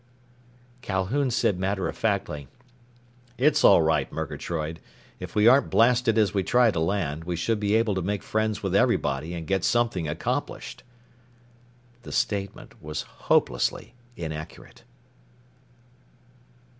_" Calhoun said matter of factly, "It's all right, Murgatroyd. If we aren't blasted as we try to land, we should be able to make friends with everybody and get something accomplished." The statement was hopelessly inaccurate.